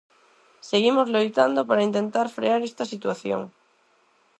Seguimos loitando para intentar frear esta situación.